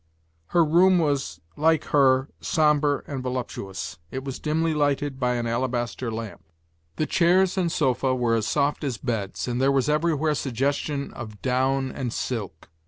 Her room was, like her, somber and voluptuous; it was dimly lighted by an alabaster lamp. The chairs and sofa were as soft as beds, and there was everywhere suggestion of down and silk.